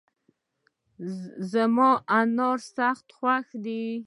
زما انار سخت خوښ دي